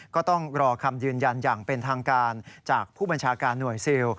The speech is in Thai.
ก็ต้องรอคำยืนยันอย่างเป็นทางการจากผู้บัญชาการหน่วยซิล